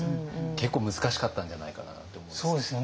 結構難しかったんじゃないかななんて思うんですけど。